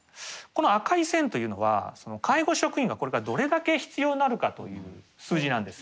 この赤い線というのは介護職員がこれからどれだけ必要になるかという数字なんです。